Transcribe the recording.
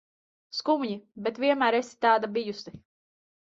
Skumji, bet vienmēr esi tāda bijusi.